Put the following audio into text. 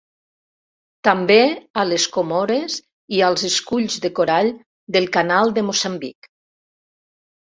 També a les Comores i als esculls de corall del Canal de Moçambic.